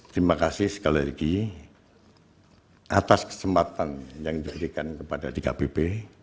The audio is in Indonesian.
terima kasih sekali lagi atas kesempatan yang diberikan kepada dkpp